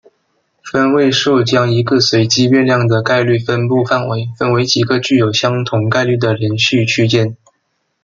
分位数将一个随机变量的概率分布范围分为几个具有相同概率的连续区间。